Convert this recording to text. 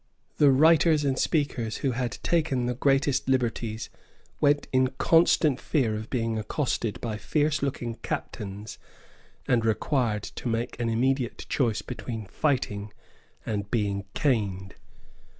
The writers and speakers who had taken the greatest liberties went in constant fear of being accosted by fierce looking captains, and required to make an immediate choice between fighting and being caned.